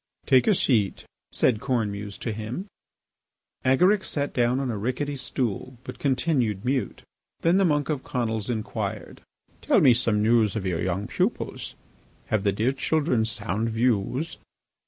"Take a seat," said Cornemuse to him. Agaric sat down on a rickety stool, but continued mute. Then the monk of Conils inquired: "Tell me some news of your young pupils. Have the dear children sound views?"